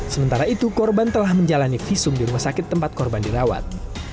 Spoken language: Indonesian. sementara itu korban telah menjalani visum di rumah sakit tempat korban dirawat